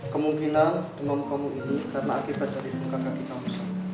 kemungkinan penyampangu ini karena akibat dari bungka kaki kamu